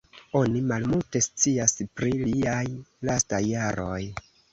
Oni malmulte scias pri liaj lastaj jaroj.